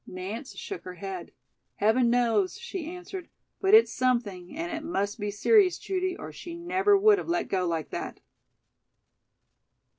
Nance shook her head. "Heaven knows," she answered. "But it's something, and it must be serious, Judy, or she never would have let go like that."